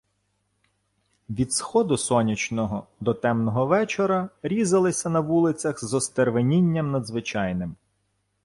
Від сходу сонячного до темного вечора різалися на вулицях з остервенінням надзвичайним